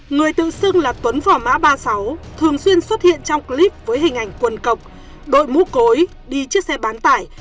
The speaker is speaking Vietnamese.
người tự xưng là tuấn phò mã ba mươi sáu thường xuyên xuất hiện trong clip với hình ảnh quần đội mũ cối đi chiếc xe bán tải